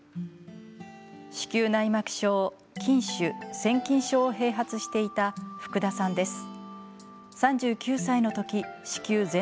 子宮内膜症、筋腫、腺筋症を併発していた福田さんです。